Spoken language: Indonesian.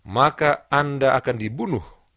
maka anda akan dibunuh